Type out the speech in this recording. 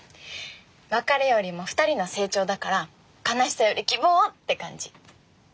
別れよりも２人の成長だから悲しさより希望って感じ。